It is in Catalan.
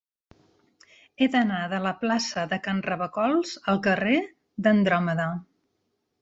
He d'anar de la plaça de Can Robacols al carrer d'Andròmeda.